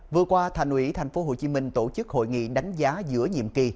vừa qua thành ủy tp hcm tổ chức hội nghị đánh giá giữa nhiệm kỳ